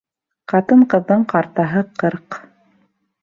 Ҡатын-ҡыҙҙың ҡартаһы ҡырҡ.